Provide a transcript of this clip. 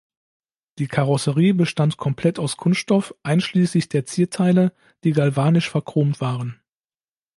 Die Karosserie bestand komplett aus Kunststoff einschließlich der Zierteile, die galvanisch verchromt waren.